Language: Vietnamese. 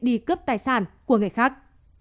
đi cướp tài sản của người khác